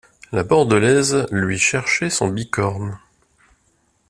La Bordelaise lui cherchait son bicorne.